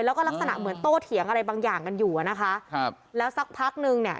แล้วก็ลักษณะเหมือนโต้เถียงอะไรบางอย่างกันอยู่อ่ะนะคะครับแล้วสักพักนึงเนี่ย